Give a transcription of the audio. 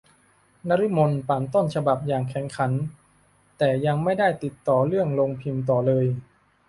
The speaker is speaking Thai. นฤมลปั่นต้นฉบับอย่างแข็งขัน แต่ยังไม่ได้ติดต่อเรื่องโรงพิมพ์ต่อเลย